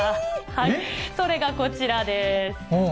それがこちらです。